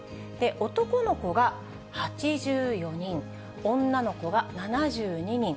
男の子が８４人、女の子が７２人。